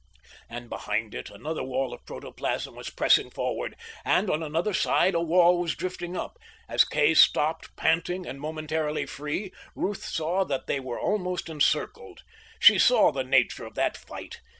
And behind it another wall of protoplasm was pressing forward, and on another side a wall was drifting up. As Kay stopped, panting, and momentarily free, Ruth saw that they were almost encircled. She saw the nature of that fight.